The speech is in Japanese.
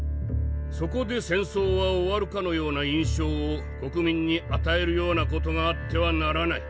そこで戦争は終わるかのような印象を国民に与えるような事があってはならない。